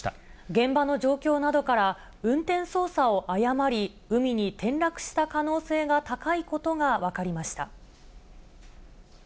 現場の状況などから、運転操作を誤り、海に転落した可能性が高いことが分かりました。